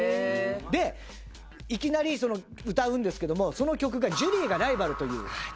でいきなり歌うんですけどもその曲が『ジュリーがライバル』というヒット曲。